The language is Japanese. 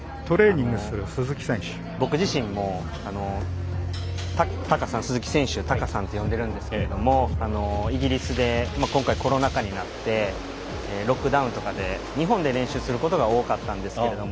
僕自身も鈴木選手孝さんと呼んでいるんですがイギリスで今回コロナ禍になってロックダウンとかで日本で練習することが多かったんですけれども。